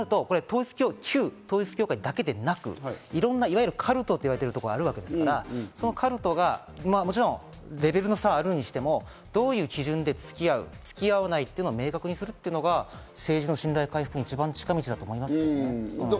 旧統一教会だけでなく、いろんな、いわゆるカルトと言われているところがあるわけですが、そのカルトがもちろんレベルの差はあるにしても、どういう基準でつき合う、つき合わないというのを明確にするというのが政治の信頼回復の一番の近道だと思います。